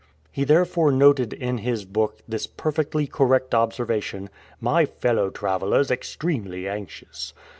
He therefore noted in his book this perfectly correct observation, "My fellow travelers extremely anxious.